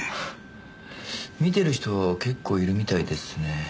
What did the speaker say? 見てる人結構いるみたいですね。